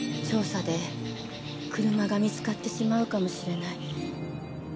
調査で車が見つかってしまうかもしれない。